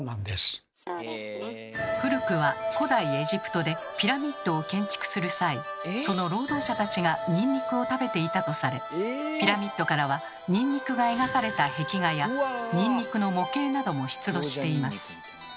古くは古代エジプトでピラミッドを建築する際その労働者たちがニンニクを食べていたとされピラミッドからはニンニクが描かれた壁画やニンニクの模型なども出土しています。